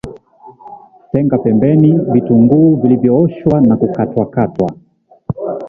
Tenga pembeni vitunguu vilivyooshwa na kukatwa katwa